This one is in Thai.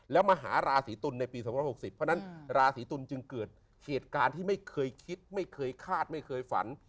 แล้วมาหาราศีตุลในปี๒๖๐เพราะฉะนั้นราศีตุลจึงเกิดเหตุการณ์ที่ไม่เคยคิดไม่เคยคาดไม่เคยฝัน